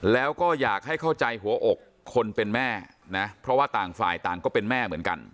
แล้วก็อยากให้เข้าใจหัวอกคนเป็นแม่นะเพราะว่าต่างฝ่ายต่างก็เป็นแม่เหมือนกัน